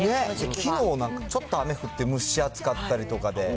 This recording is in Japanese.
きのうなんか、ちょっと雨降って、蒸し暑かったりとかで。